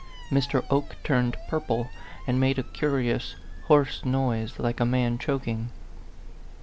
Mr. Oke turned purple, and made a curi ous, hoarse noise, like a man choking.